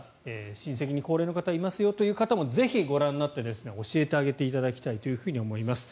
親戚に高齢の方いますよという方もぜひご覧になって教えてあげていただきたいと思います。